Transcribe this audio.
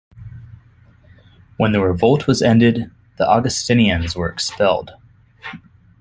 When the revolt was ended, the Augustinians were expelled.